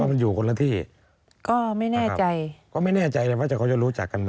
มันอยู่คนละที่ก็ไม่แน่ใจก็ไม่แน่ใจเลยว่าแต่เขาจะรู้จักกันนะ